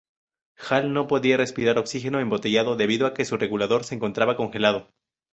Hall no podía respirar oxígeno embotellado debido a que su regulador se encontraba congelado.